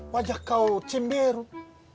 wajah kau cemberut